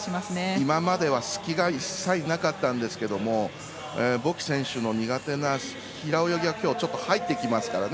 今までは隙が一切なかったんですけどもボキ選手の苦手な平泳ぎが今日ちょっと入ってきますからね